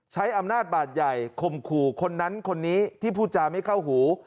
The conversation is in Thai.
ใช้อำนาจบาดใหญ่คมขู่คนนั้นคนนี้ที่พูดจาไม่เข้าหู